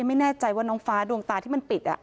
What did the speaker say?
ไม่แน่ใจว่าน้องฟ้าดวงตาที่มันปิด